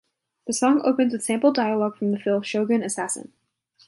The song opens with sampled dialogue from the film "Shogun Assassin".